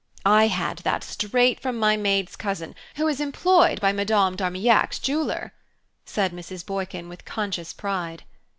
"I had that straight from my maid's cousin, who is employed by Madame d'Armillac's jeweller," said Mrs. Boykin with conscious pride.